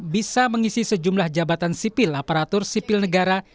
bisa mengisi sejumlah jabatan sipil aparatur sipil negara